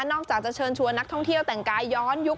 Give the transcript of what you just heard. อกจากจะเชิญชวนนักท่องเที่ยวแต่งกายย้อนยุค